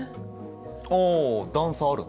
ああ段差あるね。